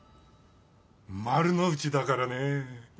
丸の内だからねぇ。